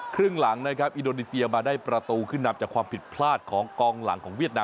ครึ่งหลังนะครับอินโดนีเซียมาได้ประตูขึ้นนำจากความผิดพลาดของกองหลังของเวียดนาม